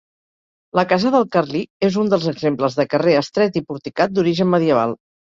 La casa del Carlí és un dels exemples de carrer estret i porticat d'origen medieval.